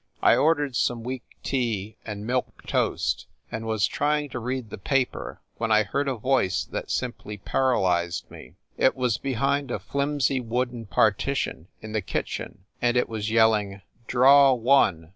I ordered some weak tea and milk toast, and was try ing to read the paper when I heard a voice that sim ply paralyzed me. It was behind a flimsy wooden partition in the kitchen and it was yelling "draw one